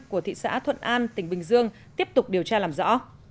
của thị xã thuận an tỉnh bình dương tiếp tục điều tra làm rõ